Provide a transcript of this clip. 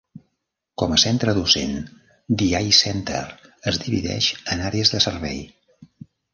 Com a centre docent, The Eye Center es divideix en àrees de servei.